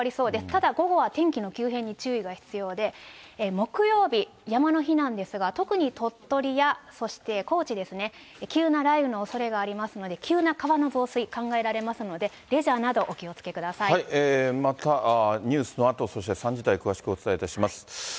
ただ午後は天気の急変に注意が必要で、木曜日、山の日なんですが、特に鳥取や、そして高知ですね、急な雷雨のおそれがありますので、急な川の増水、考えられますので、またニュースのあと、そして３時台、詳しくお伝えいたします。